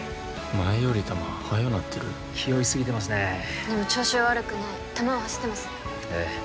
前より球速なってる気負いすぎてますねでも調子は悪くない球は走ってますええ